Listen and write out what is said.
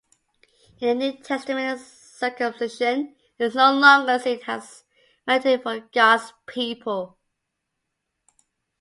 In the New Testament, circumcision is no longer seen as mandatory for God's people.